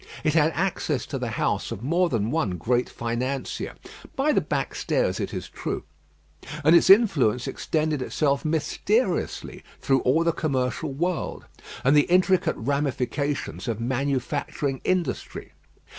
It had access to the house of more than one great financier, by the back stairs it is true; and its influence extended itself mysteriously through all the commercial world, and the intricate ramifications of manufacturing industry.